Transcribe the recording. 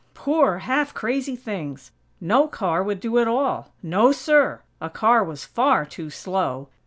Poor, half crazy things! No car would do at all! No, sir!! A car was far too slow!